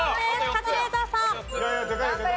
カズレーザーさん。